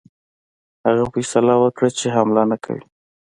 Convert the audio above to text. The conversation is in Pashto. هغه فیصله وکړه چې حمله نه کوي.